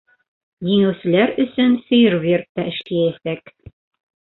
Еңеүселәр өсөн фейерверк та эшләйәсәк.